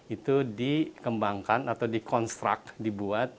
itu dikembangkan atau di construct